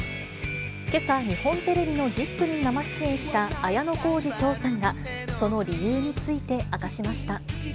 けさ、日本テレビのＺＩＰ！に生出演した綾小路翔さんが、その理由について明かしました。